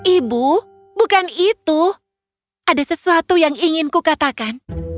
ibu bukan itu ada sesuatu yang inginku katakan